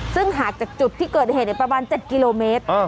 ซึ่งห่างจากจุดที่เกิดเหตุประมาณ๗กิโลเมตร